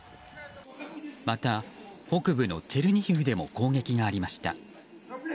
また、北部のチェルニヒウでも攻撃がありました。